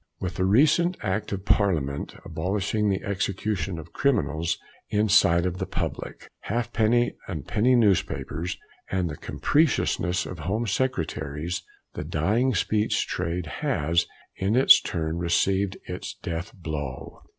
With the recent Act of Parliament abolishing the execution of criminals in sight of the public. Halfpenny and penny newspapers, and the capriciousness of Home Secretaries, the Dying Speech trade has in its turn received its death blow.